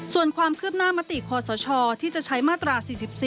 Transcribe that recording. ส่วนความคืบหน้ามติคอสชที่จะใช้มาตรา๔๔